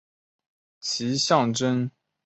其象征意义众说纷纭。